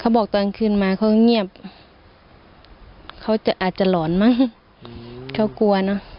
บอกตอนคืนมาเขาเงียบเขาจะอาจจะหลอนไหมเขากลัวเนอะ